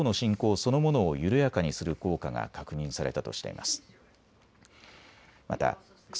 そのものを緩やかにする効果が確認されたとしています。